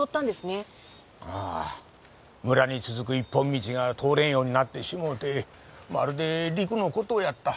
ああ村に続く一本道が通れんようになってしもうてまるで陸の孤島やった。